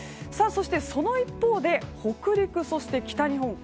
そして、その一方で北陸、そして北日本